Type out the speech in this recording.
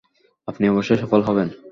আপনি অবশ্যই সফল হবেন।